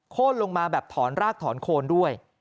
ลงมาแบบถอนรากถอนโคนด้วย